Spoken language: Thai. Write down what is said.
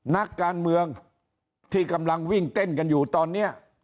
นักการเมืองที่กำลังวิ่งเต้นกันอยู่ตอนนี้